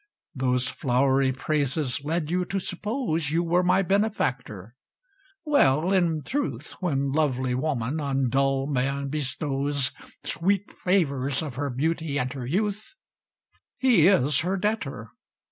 Those flowery praises led you to suppose You were my benefactor. Well, in truth, When lovely woman on dull man bestows Sweet favours of her beauty and her youth, He is her debtor.